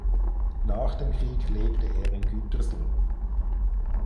Nach dem Krieg lebte er in Gütersloh.